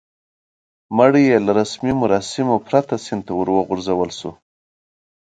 مړی یې له رسمي مراسمو پرته سیند ته ور وغورځول شو.